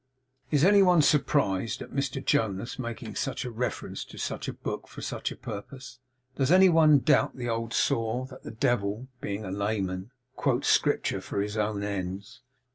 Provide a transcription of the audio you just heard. Is any one surprised at Mr Jonas making such a reference to such a book for such a purpose? Does any one doubt the old saw, that the Devil (being a layman) quotes Scripture for his own ends?